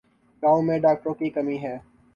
گاؤں میں ڈاکٹروں کی کمی ہے